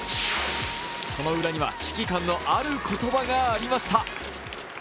その裏には指揮官のある言葉がありました。